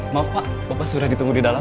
maaf pak bapak sudah ditunggu di dalam